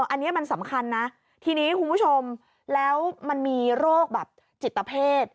อันนี้มันสำคัญนะทีนี้คุณผู้ชมแล้วมันมีโรคแบบจิตเพศ